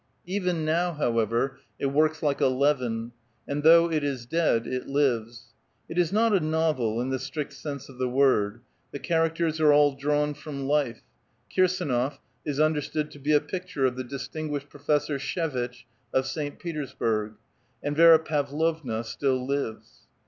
Even now, however, it works like a leaven ; and though it is dead, it lives. It is not a novel in the strict sense of the word. The characters are all drawn from life : Kirsdnof is understood to be a picture of the distinguished Professor Sh^vitch of St. Petersbui'g, and Vi6ra Pavlovna still lives.